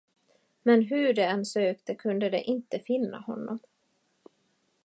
Men hur de än sökte, kunde de inte finna honom.